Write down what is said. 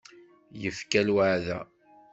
Yefka lweɛda.